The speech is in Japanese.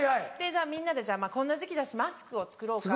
みんなで「こんな時期だしマスクを作ろうか」。